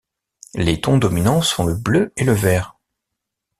Les tons dominants sont le bleu et le vert.